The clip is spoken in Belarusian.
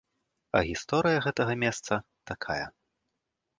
А гісторыя гэтага месца такая.